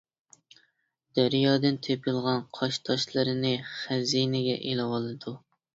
دەريادىن تېپىلغان قاش تاشلىرىنى خەزىنىگە ئېلىۋالىدۇ.